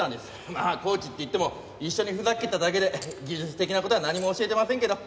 まあコーチって言っても一緒にふざけてただけで技術的な事は何も教えてませんけど。